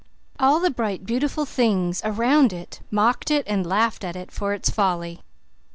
All the bright, beautiful things around it mocked it and laughed at it for its folly.